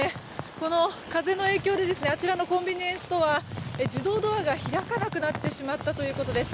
この風の影響であちらのコンビニエンスストア自動ドアが開かなくなってしまったということです。